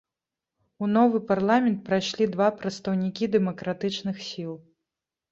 У новы парламент прайшлі два прадстаўнікі дэмакратычных сіл.